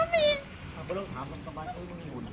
มียังไงก็มี